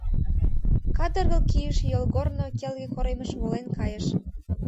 Кадыргыл кийше йолгорно келге коремыш волен кайыш.